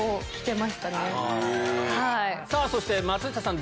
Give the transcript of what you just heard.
そして松下さん